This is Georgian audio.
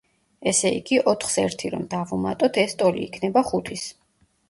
ესე იგი, ოთხს ერთი რომ დავუმატოთ, ეს ტოლი იქნება ხუთის.